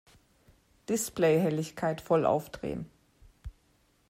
Displayhelligkeit voll aufdrehen!